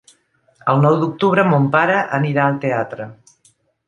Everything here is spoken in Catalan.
El nou d'octubre mon pare anirà al teatre.